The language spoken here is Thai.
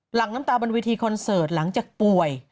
หลังน้ำตาบนวิธีคอนเสิร์ตหลังจากป่วย